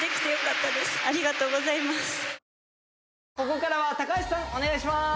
ここからは高橋さんお願いします